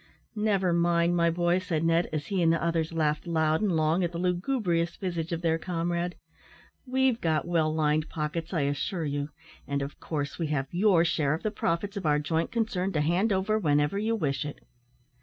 "Never mind, my boy," said Ned, as he and the others laughed loud and long at the lugubrious visage of their comrade; "we've got well lined pockets, I assure you; and, of course, we have your share of the profits of our joint concern to hand over whenever you wish it."